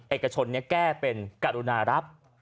เอกชนแก้เป็นการุณารับ